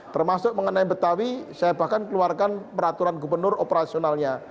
termasuk mengenai betawi saya bahkan keluarkan peraturan gubernur operasionalnya